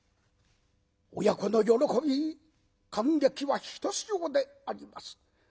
親子の喜び感激はひとしおであります。